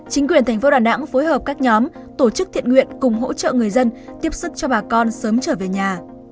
chính quyền thành phố đà nẵng phối hợp các nhóm tổ chức thiện nguyện cùng hỗ trợ người dân tiếp sức cho bà con sớm trở về nhà